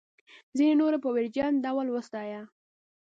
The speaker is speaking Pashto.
ځینو نورو په ویرجن ډول وستایه.